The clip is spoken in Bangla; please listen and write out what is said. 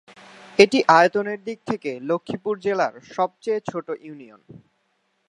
এটি আয়তনের দিক থেকে লক্ষ্মীপুর জেলার সবচেয়ে ছোট ইউনিয়ন।